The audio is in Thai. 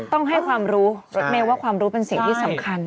ต้องให้ความรู้รถเมย์ว่าความรู้เป็นสิ่งที่สำคัญ